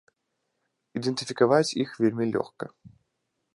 Ідэнтыфікаваць іх вельмі лёгка.